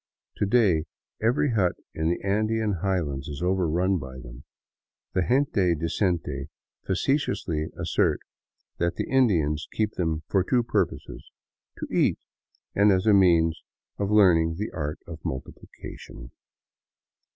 To day every hut in the Andean highlands is overrun by them. The gente decente facetiously assert that the Indians keep them for two purposes, — to eat, and as a means of learning the art of multiplication.